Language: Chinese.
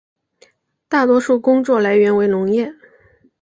大多数工作来源为农业。